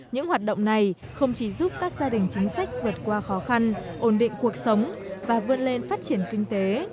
những hoạt động này không chỉ giúp các gia đình chính sách vượt qua khó khăn ổn định cuộc sống và vươn lên phát triển kinh tế